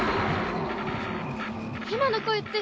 今の声って。